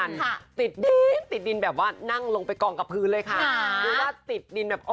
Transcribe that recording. นี้มันติดดีนแบบนางลงไปกรองกระพื้นเลยค่ะ